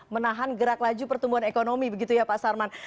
menahan gerak laju pertumbuhan ekonomi begitu ya pak sarman